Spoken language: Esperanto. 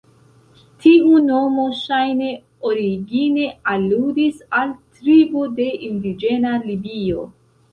Tiu nomo ŝajne origine aludis al tribo de indiĝena Libio.